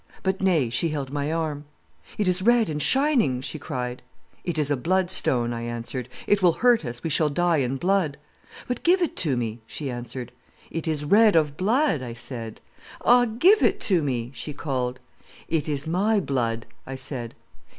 But nay, she held my arm. "'It is red and shining,' she cried. "'It is a bloodstone,' I answered. 'It will hurt us, we shall die in blood.' "'But give it to me,' she answered. "'It is red of blood,' I said. "'Ah, give it to me,' she called. "'It is my blood,' I said.